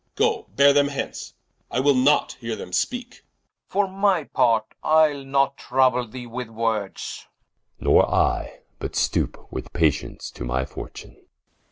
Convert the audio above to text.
Goe beare them hence, I will not heare them speake Oxf. For my part, Ile not trouble thee with words Som. Nor I, but stoupe with patience to my fortune.